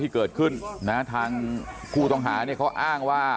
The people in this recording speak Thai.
เกิดขึ้นนะฮะทางคู่ต้องหาเขาอ้างว่า